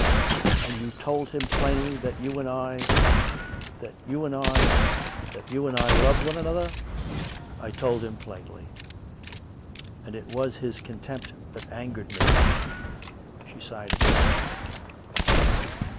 " And you told him plainly that you and I ... that you and I "" That you and I loved one another? I told him plainly. And it was his contempt that angered me." She sighed again.